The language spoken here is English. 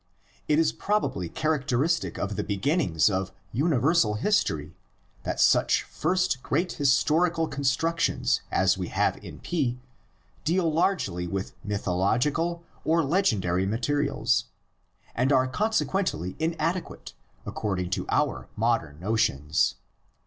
It is probably characteristic of the beginnings of "uni versal history" that such first great historical constructions as we have in P deal largely with myth ical or legendary materials, and are consequently inadequate according to our modern notions.